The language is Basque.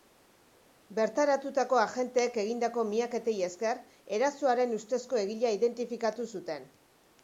Bertaratutako agenteek egindako miaketei esker, erasoaren ustezko egilea identifikatu zuten.